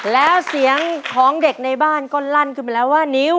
แล้วเสียงของเด็กในบ้านก็ลั่นขึ้นมาแล้วว่านิ้ว